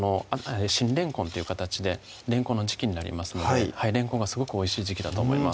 新れんこんという形でれんこんの時季になりますのでれんこんがすごくおいしい時季だと思います